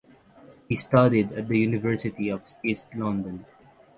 He studied at the University of East London.